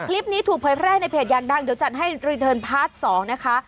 คลิปนี้ถูกเผยแพร่ในเพจอยากดังเดี๋ยวจัดให้รีเทิร์นพาร์ท๒นะคะ